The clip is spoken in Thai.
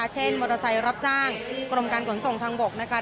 เช่นมอเตอร์ไซค์รับจ้างกรมการขนส่งทางบกนะคะ